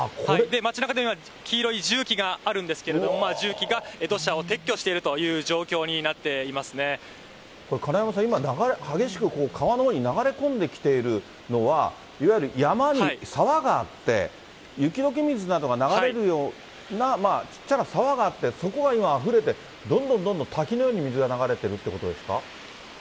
町なかでは今、黄色い重機があるんですけれども、重機が土砂を撤去しているというこれ、かなやまさん、今、流れ激しく川のほうに流れ込んできているのは、いわゆる山に沢があって、雪どけ水などが流れるような、ちっちゃな沢があって、そこが今、あふれて、どんどんどんどん滝のように水が流れてるということですか。